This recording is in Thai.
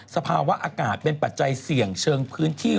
สภาวะอากาศเป็นปัจจัยเสี่ยงเชิงพื้นที่